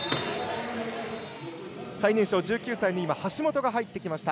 最年少１９歳の橋本が入りました。